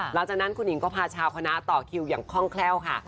หลังจากนั้นคุณหญิงก็พาชาวคณะต่อคิวอย่างคล่องแคล่วค่ะ